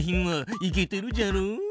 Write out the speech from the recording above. いけてるじゃろ？